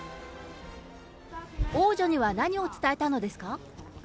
王女には何を伝えたのですか？